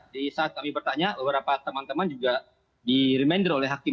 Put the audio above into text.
di saat kami bertanya beberapa teman teman juga di remender oleh hakim